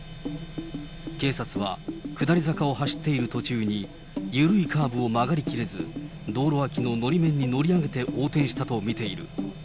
警察は、下り坂を走っている途中に緩いカーブを曲がりきれず、道路脇ののり面に乗り上げて横転したと見ている。